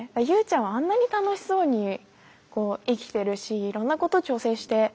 友ちゃんはあんなに楽しそうに生きてるしいろんなこと挑戦して。